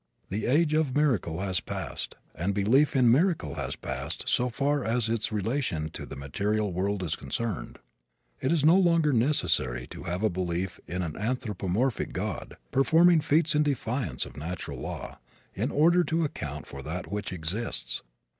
The age of miracle has passed and belief in miracle has passed so far as its relation to the material world is concerned. It is no longer necessary to have a belief in an anthropomorphic God, performing feats in defiance of natural law, in order to account for that which exists.